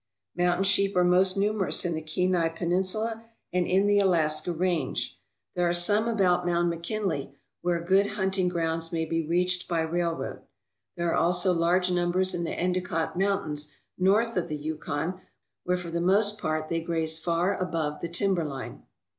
Mountain sheep are most numerous in the Kenai Peninsula and in the Alaska Range. There are some 266 OUR NORTHERN GAME PRESERVE about Mount McKinley, where good hunting grounds may be reached by railroad. There are also large num bers in the Endicott Mountains, north of the Yukon, where for the most part they graze far above the timber line.